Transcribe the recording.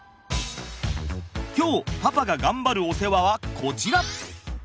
今日パパが頑張るお世話はこちら。